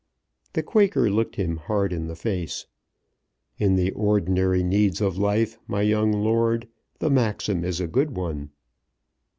The Quaker looked him hard in the face. "In the ordinary needs of life, my young lord, the maxim is a good one."